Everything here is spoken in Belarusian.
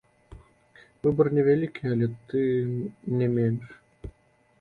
Выбар невялікі, але тым не менш.